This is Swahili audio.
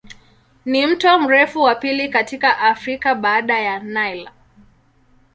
Ni mto mrefu wa pili katika Afrika baada ya Nile.